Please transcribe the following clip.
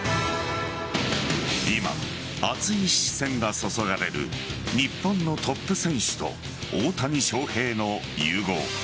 今、熱い視線が注がれる日本のトップ選手と大谷翔平の融合。